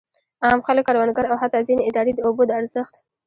عام خلک، کروندګر او حتی ځینې ادارې د اوبو د ارزښت.